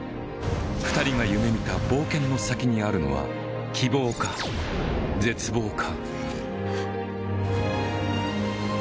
２人が夢見た冒険の先にあるのは希望か、絶望か。